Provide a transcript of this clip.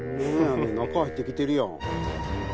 中入ってきてるやん。